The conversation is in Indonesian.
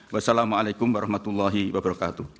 wassalamu alaikum warahmatullahi wabarakatuh